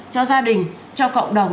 cho gia đình cho cộng đồng